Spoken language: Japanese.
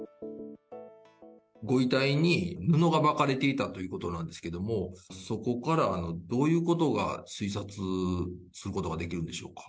ご遺体に布が巻かれていたということなんですけれども、そこからどういうことが推察することができるんでしょうか。